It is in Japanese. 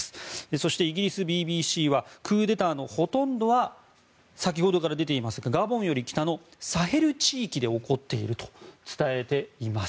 そして、イギリスＢＢＣはクーデターのほとんどは先ほどから出ていますがガボンより北のサヘル地域で起こっていると伝えています。